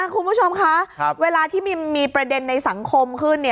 คุณผู้ชมคะเวลาที่มีประเด็นในสังคมขึ้น